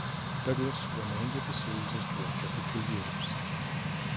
Douglas remained with the series as director for two years.